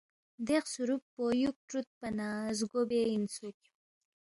دے خسُورُوب پو یُوک تُرودپا نہ زگو بے اِنسُوک